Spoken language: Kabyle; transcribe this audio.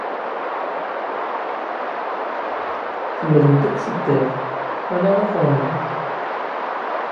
Ḥemmlent akk tidal, ala akrembiḍ.